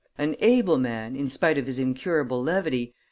An able man, in spite of his incurable levity, M.